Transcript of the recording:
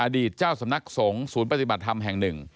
เจ้าสำนักสงฆ์ศูนย์ปฏิบัติธรรมแห่งหนึ่ง